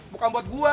bukan buat gua